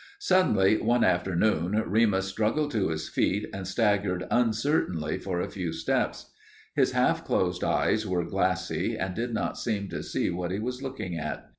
Suddenly, one afternoon, Remus struggled to his feet and staggered uncertainly for a few steps. His half closed eyes were glassy and did not seem to see what he was looking at.